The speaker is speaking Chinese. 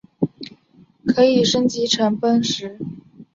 可升级成奔石。